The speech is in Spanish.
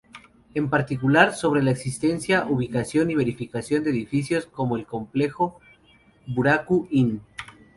En particular, sobre la existencia, ubicación, y verificación de edificios como el complejo "Buraku-in".